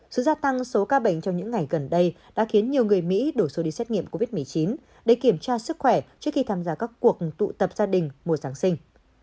sự gia tăng số ca bệnh trong những ngày gần đây đã khiến nhiều người mỹ đổ xô đi xét nghiệm covid một mươi chín để kiểm tra sức khỏe trước khi tham gia các cuộc tụ tập gia đình mùa giáng sinh